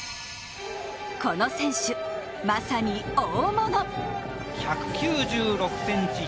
この選手、まさに大物。